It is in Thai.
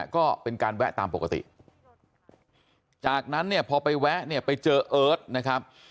ก็เป็นการแวะตามปกติจากนั้นเนี่ยพอไปแวะเนี่ยไปเจอเอิร์ทนะครับ